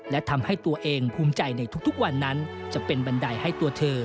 และทำให้ตัวเองภูมิใจในทุกวันนั้นจะเป็นบันไดให้ตัวเธอ